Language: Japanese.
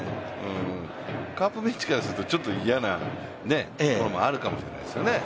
カープベンチからするとちょっと嫌なところもあるかもしれないですね。